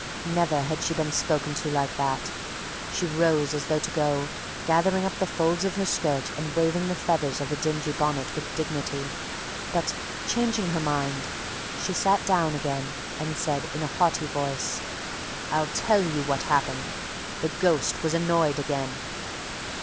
Never had she been spoken to like that. She rose as though to go, gathering up the folds of her skirt and waving the feathers of her dingy bonnet with dignity, but, changing her mind, she sat down again and said, in a haughty voice: "I'll tell you what happened. The ghost was annoyed again!"